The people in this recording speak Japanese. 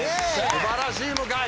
素晴らしい向井。